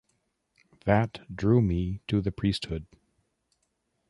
That drew me to the priest-hood.